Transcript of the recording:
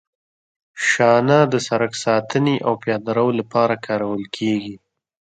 شانه د سرک د ساتنې او پیاده رو لپاره کارول کیږي